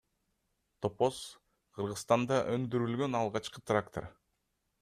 Топоз — Кыргызстанда өндүрүлгөн алгачкы трактор.